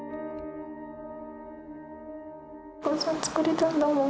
お母さん疲れたんだもん。